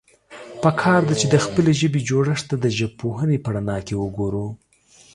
پکار ده، چې د خپلې ژبې جوړښت ته د ژبپوهنې په رڼا کې وګورو.